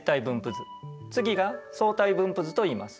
図次が相対分布図といいます。